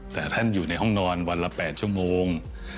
แต่ท่านอยู่ในห้องนอนวันละ๘ชั่วโมง